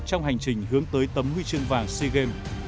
trong hành trình hướng tới tấm huy chương vàng sea games